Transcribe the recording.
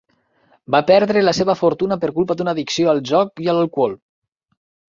Va perdre la seva fortuna per culpa d'una addicció al joc i a l'alcohol.